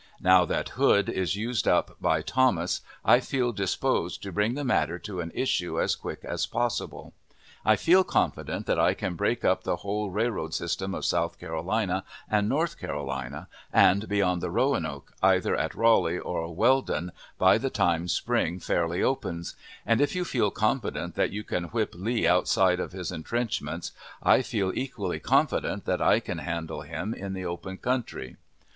Now that Hood is used up by Thomas, I feel disposed to bring the matter to an issue as quick as possible. I feel confident that I can break up the whole railroad system of South Carolina and North Carolina, and be on the Roanoke, either at Raleigh or Weldon, by the time spring fairly opens; and, if you feel confident that you can whip Lee outside of his intrenchments, I feel equally confident that I can handle him in the open country.